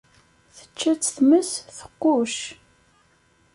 Tečča-tt tmes, tqucc!